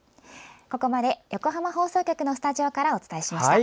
ここまで、横浜放送局のスタジオからお伝えしました。